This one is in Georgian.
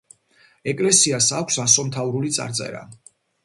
ეკლესის აქვს ასომთავრული წარწერა.